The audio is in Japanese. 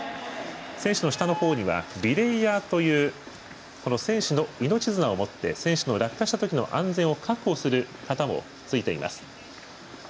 選手の下のほうにはビレイヤーという選手の命綱を持って選手の落下した時の安全を確保するものもついています。